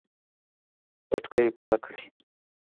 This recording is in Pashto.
پټکی پاک کړئ